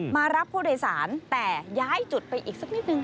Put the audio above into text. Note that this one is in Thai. มารับผู้โดยสารแต่ย้ายจุดไปอีกสักนิดนึง